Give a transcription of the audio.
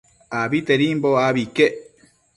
Abitedimbo abi iquec